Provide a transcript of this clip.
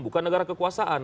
bukan negara kekuasaan